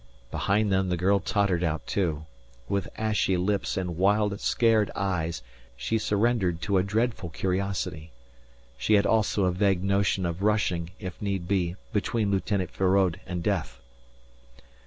Behind them the girl tottered out too. With ashy lips and wild, scared eyes, she surrendered to a dreadful curiosity. She had also a vague notion of rushing, if need be, between Lieutenant Feraud and death.